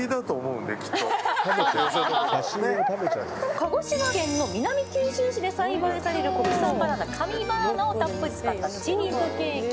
鹿児島県の南九州市で栽培される国産バナナ神バナナをたっぷり使ったチーズケーキ。